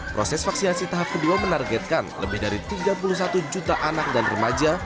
proses vaksinasi tahap kedua menargetkan lebih dari tiga puluh satu juta anak dan remaja